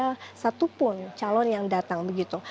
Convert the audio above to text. tidak satupun calon yang datang begitu